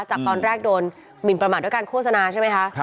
จากตอนแรกโดนหมินประมาทด้วยการโฆษณาใช่ไหมคะ